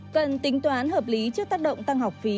cần tính toán hợp lý trước tác động tăng học phí